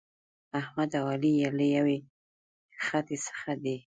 احمد او علي له یوې خټې څخه دي.